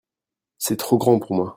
c'est trop grand pour moi.